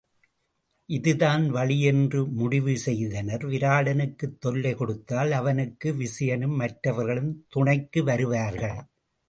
இது தான்வழி என்று முடிவு செய்தனர் விராடனுக்குத் தொல்லை கொடுத்தால் அவனுக்கு விசயனும் மற்றவர்களும் துணைக்கு வருவார்கள்.